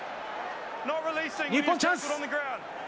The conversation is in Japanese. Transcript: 日本チャンス。